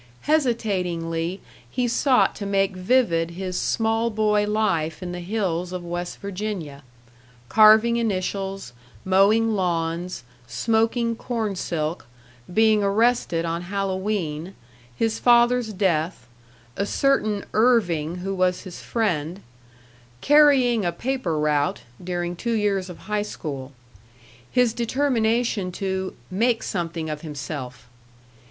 Hesitatingly he sought to make vivid his small boy life in the hills of West Virginia: carving initials, mowing lawns, smoking corn silk, being arrested on Hallowe'en, his father's death, a certain Irving who was his friend, "carrying a paper route" during two years of high school. His determination to "make something of himself."